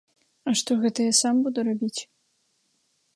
А што гэта я сам буду рабіць?